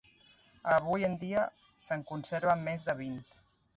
Avui en dia se'n conserven més de vint.